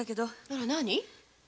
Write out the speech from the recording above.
あら何？